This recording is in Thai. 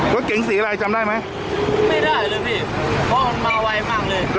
รถเก๋งสีอะไรจำได้ไหมไม่ได้เลยพี่เพราะมันมาไวมากเลย